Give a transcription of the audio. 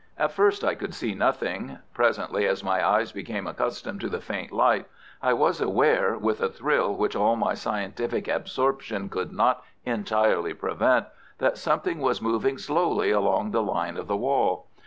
At first I could see nothing, presently, as my eyes became accustomed to the faint light, I was aware, with a thrill which all my scientific absorption could not entirely prevent, that something was moving slowly along the line of the wall.